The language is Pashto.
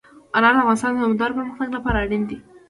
انار د افغانستان د دوامداره پرمختګ لپاره اړین دي.